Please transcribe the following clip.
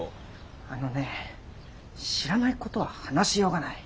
あのね知らないことは話しようがない。